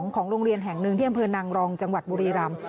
ของโรงเรียนแห่งหนึ่งที่อำเภอนางรองจังหวัดบุรีรำ